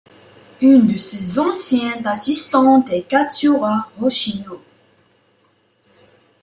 Une de ses anciennes assistantes est Katsura Hoshino.